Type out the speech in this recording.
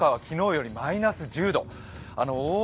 静岡は昨日よりマイナス１０度。